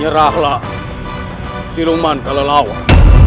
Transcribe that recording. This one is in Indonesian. setelah si luman kelelawar